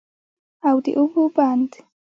او د اوبو بند